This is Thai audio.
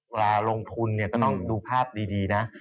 เวลาลงทุนเนี่ยก็ต้องดูภาพดีนะ